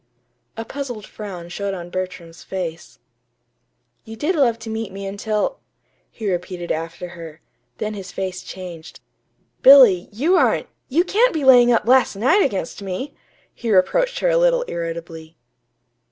A puzzled frown showed on Bertram's face. "You did love to meet me until " he repeated after her; then his face changed. "Billy, you aren't you can't be laying up last night against me!" he reproached her a little irritably.